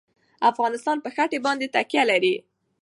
افغانستان په ښتې باندې تکیه لري.